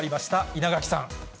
稲垣さん。